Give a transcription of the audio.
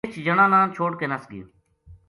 رِچھ جنا نا چھوڈ کے نَس گیو